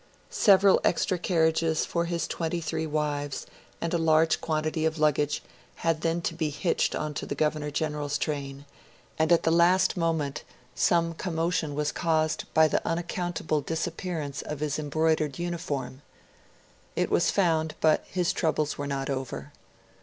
Several extra carriages for his twenty three wives and a large quantity of luggage had then to be hitched on to the Governor General's train; and at the last moment some commotion was caused by the unaccountable disappearance of his embroidered uniform. It was found, but his troubles were not over.